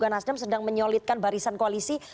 nasdem sedang menyolidkan barisan koalisi